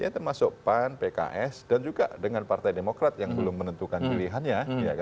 termasuk pan pks dan juga dengan partai demokrat yang belum menentukan pilihannya